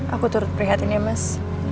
aku turut prihatin ya mas